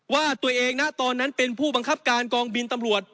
ว่าตัวเองนะตอนนั้นเป็นผู้บังคับการกองบินตำรวจ